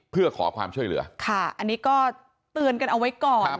เพื่อขอความช่วยเหลือค่ะอันนี้ก็เตือนกันเอาไว้ก่อน